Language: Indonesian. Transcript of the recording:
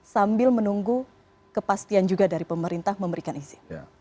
sambil menunggu kepastian juga dari pemerintah memberikan izin